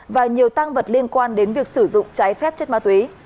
và nhiều tăng vật liên quan đến việc sử dụng trái phép chất ma túy